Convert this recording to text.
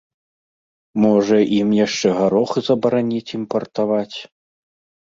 Можа, ім яшчэ гарох забараніць імпартаваць?